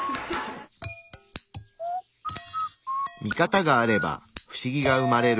見方があれば不思議が生まれる。